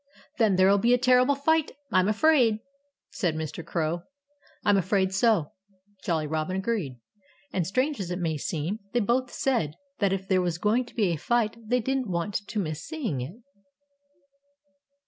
"Then there'll be a terrible fight, I'm afraid," said Mr. Crow. "I'm afraid so," Jolly Robin agreed. And strange as it may seem, they both said that if there was going to be a fight they didn't want to miss seeing it.